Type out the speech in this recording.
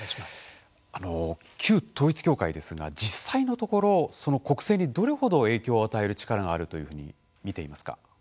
旧統一教会ですが、実際のところ国政にどれほど影響を与える力があるというふうに見ていますか。